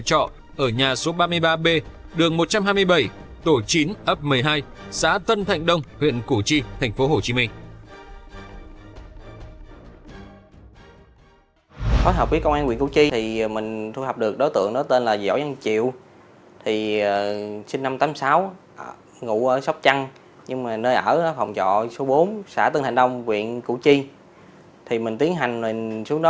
công an quận tân bình đã phối hợp với nhà trọ ở nhà số ba mươi ba b đường một trăm hai mươi bảy tổ chín ấp một mươi hai xã tân thạnh đông huyện củ chi tp hcm